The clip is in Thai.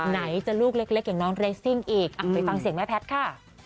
ไหนจะลูกเล็กอย่างน้องเรสซิ่งอีกไปฟังเสียงแม่แพทย์ค่ะ